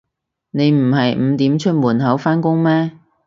你唔係五點出門口返工咩